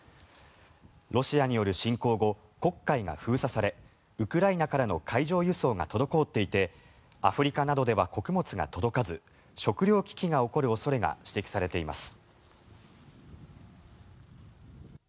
ロシアによる侵攻後黒海が封鎖されウクライナからの海上輸送が滞っていてアフリカなどでは穀物が届かず食料危機が起こる恐れが指摘されています。